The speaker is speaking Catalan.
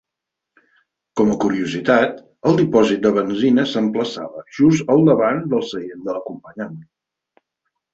Com a curiositat, el dipòsit de benzina s'emplaçava just al davant del seient de l'acompanyant.